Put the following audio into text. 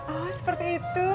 oh seperti itu